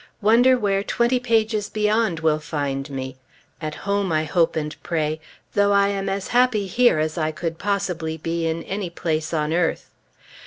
Wonder where twenty pages beyond will find me? At home, I hope and pray, though I am as happy here as I could possibly be in any place on earth.